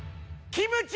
キムチ